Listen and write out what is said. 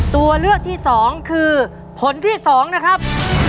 ตัวเลือกที่๒คือผลที่๒นะครับ